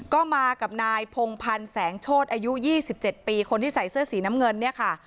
ก็มากับนายพงพันธ์แสงโชธอายุ๒๗ปีคนที่ใส่เสื้อสีน้ำเงินเนี่ยค่ะ